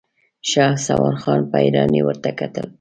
شهسوار خان په حيرانۍ ورته کتل.